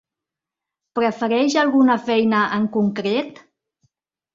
Prefereix alguna feina en concret?